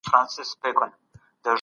که سياست د ټکر په وخت کي وي هم قدرت دی.